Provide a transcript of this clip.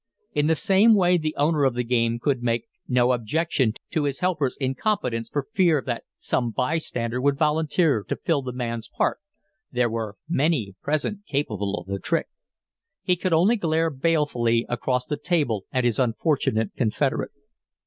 In the same way the owner of the game could make no objection to his helper's incompetence for fear that some by stander would volunteer to fill the man's part there were many present capable of the trick. He could only glare balefully across the table at his unfortunate confederate.